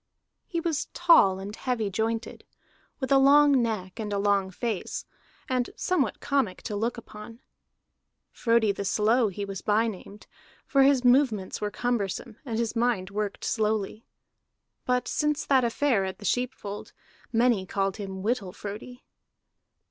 He was tall and heavy jointed, with a long neck and a long face, and somewhat comic to look upon. Frodi the Slow was he by named, for his movements were cumbersome and his mind worked slowly. But since that affair at the sheep fold, many called him Whittle Frodi.